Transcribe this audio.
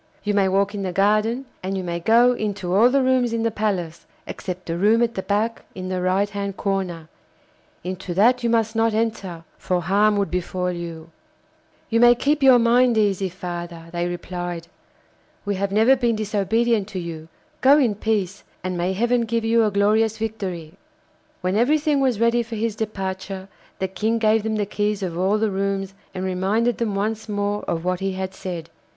You may walk in the garden, and you may go into all the rooms in the palace, except the room at the back in the right hand corner; into that you must not enter, for harm would befall you.' 'You may keep your mind easy, father,' they replied. 'We have never been disobedient to you. Go in peace, and may heaven give you a glorious victory!' When everything was ready for his departure, the King gave them the keys of all the rooms and reminded them once more of what he had said.